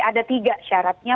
ada tiga syaratnya